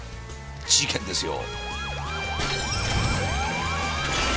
事件ですよ。